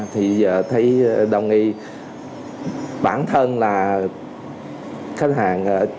thì giờ thấy đồng y bản thân là khách hàng